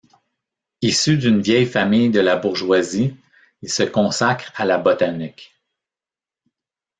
Issu d'une vieille famille de la bourgeoisie, il se consacre à la botanique.